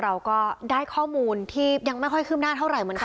เราก็ได้ข้อมูลที่ยังไม่ค่อยคืบหน้าเท่าไหร่เหมือนกัน